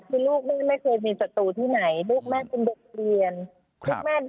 คือลูกแม่ไม่เคยมีสัตว์ตัวที่ไหนลูกแม่เป็นเด็กเรียนครับ